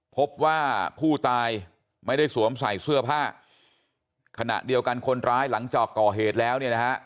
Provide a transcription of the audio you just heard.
พบว่าผู้ตายไม่ได้สวมใส่เสื้อผ้าขณะเดียวกันคนร้ายหลังจากก่อเหตุแล้วเนี่ยนะฮะ